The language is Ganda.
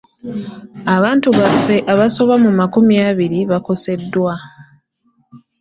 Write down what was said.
Abantu baffe abasoba mu makumi abiri bakoseddwa.